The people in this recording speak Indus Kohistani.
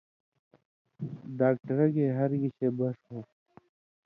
ڈاکٹرہ گے ہر گِشے بݜ ہو۔